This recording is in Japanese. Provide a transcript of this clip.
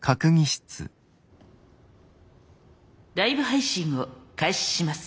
ライブ配信を開始します。